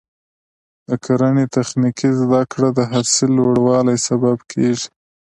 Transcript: د کرنې تخنیکي زده کړه د حاصل لوړوالي سبب کېږي.